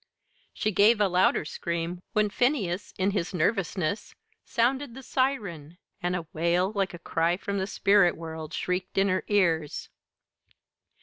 She gave a louder scream when Phineas, in his nervousness, sounded the siren, and a wail like a cry from the spirit world shrieked in her ears.